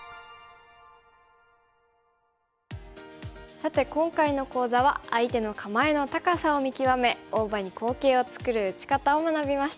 さて今回の講座は相手の構えの高さを見極め大場に好形を作る打ち方を学びました。